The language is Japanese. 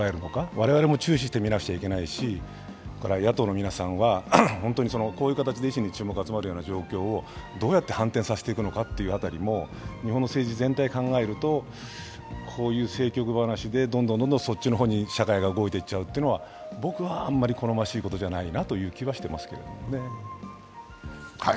我々も注視して見なきゃいけないし、野党の皆さんはこういう形で維新に注目が集まる状況をどうやって反転させていくのかっていうあたりも日本の政治全体を考えるとこういう政局話でどんどんそっちの方に社会が動いていってしまうというのは、僕はあんまり好ましいことじゃないなという気がしていますけどね。